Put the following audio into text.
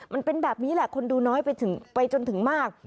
มันเป็นแบบนี้แหละคนดูน้อยไปจนถึงมาก